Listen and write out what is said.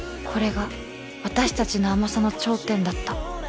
これが私たちの甘さの頂点だった。